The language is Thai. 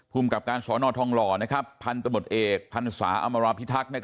กับการสอนอทองหล่อพันธมตเอกพันศาอมราพิทักษ์